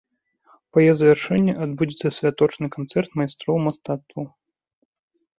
Па яе завяршэнні адбудзецца святочны канцэрт майстроў мастацтваў.